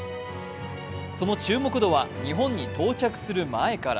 その注目度は日本に到着する前から。